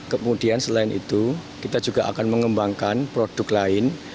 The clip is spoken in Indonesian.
kemudian selain itu kita juga akan mengembangkan produk lain